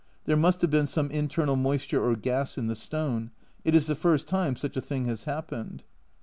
There must have been some internal moisture or gas in the stone ; it is the first time such a thing has happened.